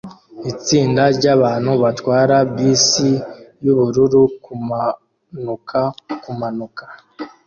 Itsinda ryabantu batwara bus yubururu kumanuka kumanuka